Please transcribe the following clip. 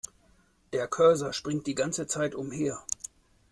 Der Cursor springt die ganze Zeit umher.